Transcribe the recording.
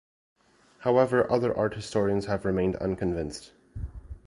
However, other art historians have remained unconvinced.